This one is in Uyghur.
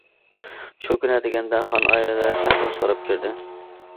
شۇ كۈنى ئەتىگەندە خان ئالىيلىرى ئەھۋال سوراپ كىردى.